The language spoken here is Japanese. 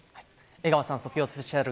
江川さん卒業スペシャル